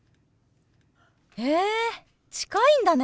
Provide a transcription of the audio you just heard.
へえ近いんだね。